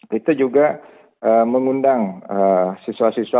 kita juga mengundang siswa siswa